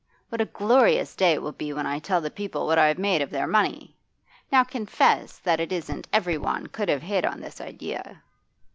What a glorious day it will be when I tell the people what I have made of their money! Now confess that it isn't everyone could have hit on this idea.